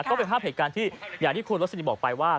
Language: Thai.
ก็เป็นภาพเหตุการณ์ที่อย่างที่คุณรสลิบอกไปว่า